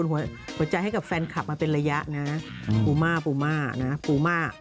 หัวใจให้กับแฟนคลับมาเป็นระยะนะปูม่าปูม่านะปูม่า